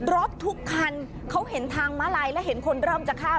รถทุกคันเขาเห็นทางม้าลายและเห็นคนเริ่มจะข้าม